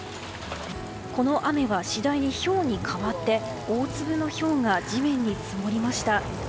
この雨は、次第にひょうに変わって大粒のひょうが地面に積もりました。